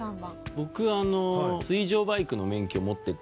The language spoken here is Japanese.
僕水上バイクの免許持ってて。